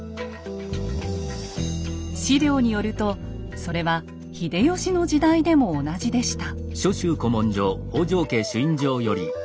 史料によるとそれは秀吉の時代でも同じでした。